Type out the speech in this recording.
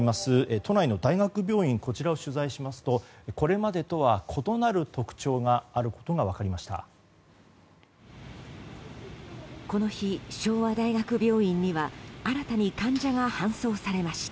都内の大学病院を取材しますとこれまでとは異なる特徴があることが分かりました。